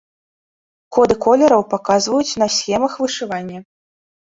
Коды колераў паказваюць на схемах вышывання.